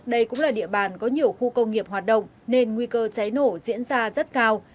đây cũng là địa bàn có nhiều khu công nghiệp hoạt động nên nguy cơ cháy nổ diễn ra rất cao